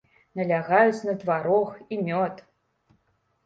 Налягаюць на тварог і мёд.